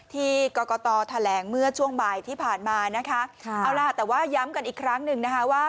ที่กรกตแถลงเมื่อช่วงบ่ายที่ผ่านมานะคะเอาล่ะแต่ว่าย้ำกันอีกครั้งหนึ่งนะคะว่า